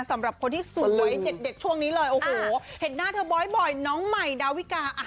สำหรับคนที่สวยเด็ดช่วงนี้เลยโอ้โหเห็นหน้าเธอบ่อยน้องใหม่ดาวิกา